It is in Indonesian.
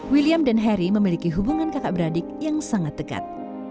william dan harry memiliki hubungan kakak beradik yang sangat dekat